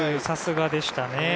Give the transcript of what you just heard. さすがでしたね。